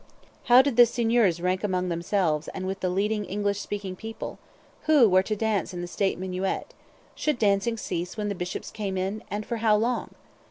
How did the seigneurs rank among themselves and with the leading English speaking people? Who were to dance in the state minuet? Should dancing cease when the bishops came in, and for how long?